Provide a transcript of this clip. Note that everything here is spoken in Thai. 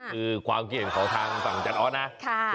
คือความเกลียดของทางฝั่งจานอ๊อตนะ